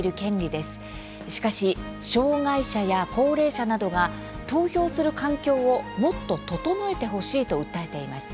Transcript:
しかし障害者や高齢者などが投票する環境をもっと整えてほしいと訴えています。